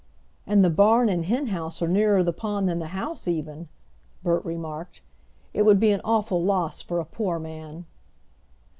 "And the barn and henhouse are nearer the pond than the house even!" Bert remarked. "It would be an awful loss for a poor man."